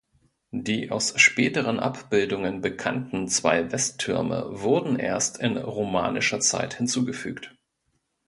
Die aus späteren Abbildungen bekannten zwei Westtürme wurden erst in romanischer Zeit hinzugefügt.